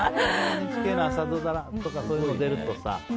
ＮＨＫの朝ドラとかそういうの出るとさ。